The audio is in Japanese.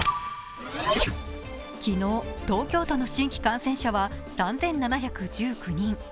昨日、東京都の新規感染者は３７１９人。